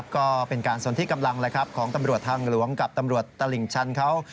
ก็เป็นการสนที่กำลังของตำรวจทางหลวงกับตำรวจตลิ่งชันเขา